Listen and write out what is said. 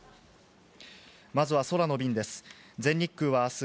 まずは空の便です。